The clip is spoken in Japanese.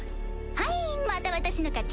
ハイまた私の勝ち！